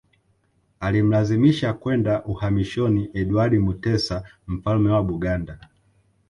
Alimlazimisha kwenda uhamishoni Edward Mutesa Mfalme wa Buganda